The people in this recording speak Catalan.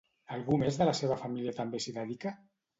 Algú més de la seva família també s'hi dedica?